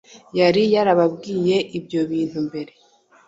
Yari yarababwiye ibyo bintu mbere;